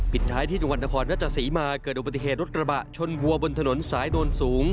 ท้ายที่จังหวัดนครราชสีมาเกิดอุบัติเหตุรถกระบะชนวัวบนถนนสายโดนสูง